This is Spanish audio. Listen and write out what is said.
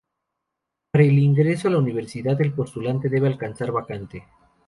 Para el ingreso a la Universidad el postulante debe alcanzar vacante.